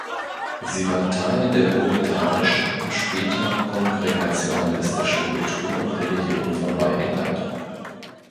Sie war Teil der puritanischen und später kongregationalistischen Kultur und Religion von Neuengland.